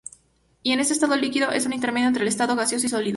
Y en estado líquido, es un intermedio entre el estado gaseoso y sólido.